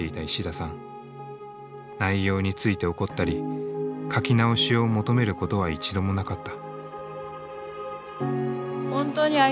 内容について怒ったり書き直しを求めることは一度もなかった。